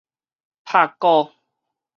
拍鼓